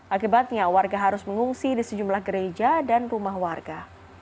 akibatnya warga harus mengungsi di sejumlah gereja dan rumah warga